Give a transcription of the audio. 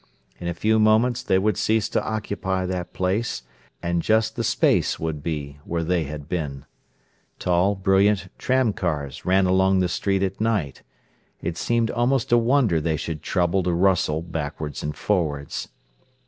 In a few moments they would cease to occupy that place, and just the space would be, where they had been. Tall, brilliant tram cars ran along the street at night. It seemed almost a wonder they should trouble to rustle backwards and forwards.